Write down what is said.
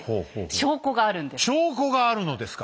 証拠があるのですか！